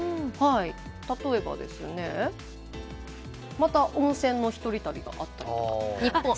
例えば、また温泉のひとり旅があったりとか。